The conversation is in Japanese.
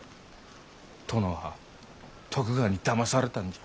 殿は徳川にだまされたんじゃ。